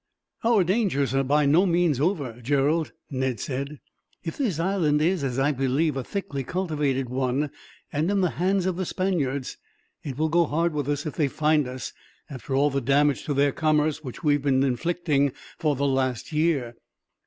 "Our dangers are by no means over, Gerald," Ned said. "If this island is, as I believe, a thickly cultivated one, and in the hands of the Spaniards, it will go hard with us, if they find us, after all the damage to their commerce which we have been inflicting, for the last year."